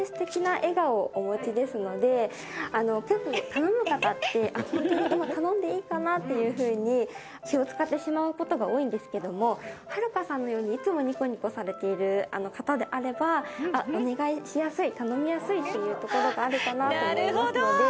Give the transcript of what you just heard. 頼む方ってこんな事も頼んでいいかなっていうふうに気を使ってしまう事が多いんですけどもはるかさんのようにいつもニコニコされている方であればお願いしやすい頼みやすいっていうところがあるかなと思いますので。